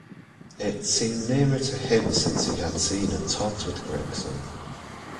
It seemed nearer to him since he had seen and talked with Gregson.